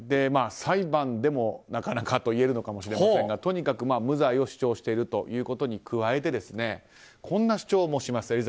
裁判でもなかなかと言えるのかもしれませんがとにかく無罪を主張しているということに加えてこんな主張もします